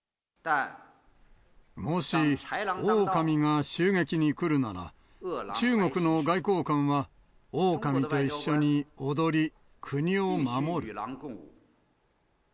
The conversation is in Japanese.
もし狼が襲撃に来るなら、中国の外交官は、狼と一緒に踊り、国を守る。